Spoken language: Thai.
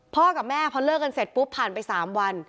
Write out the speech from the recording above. กับแม่พอเลิกกันเสร็จปุ๊บผ่านไป๓วัน